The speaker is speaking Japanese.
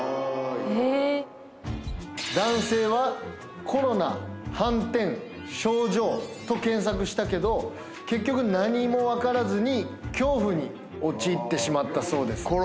えっ男性はコロナ斑点症状と検索したけど結局何も分からずに恐怖に陥ってしまったそうです